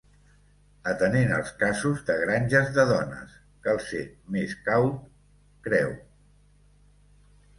Atenent els casos de “granges de dones”, cal ser més caut, creu.